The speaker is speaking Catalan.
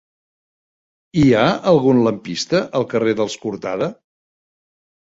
Hi ha algun lampista al carrer dels Cortada?